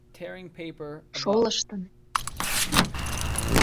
— Шолыштын!..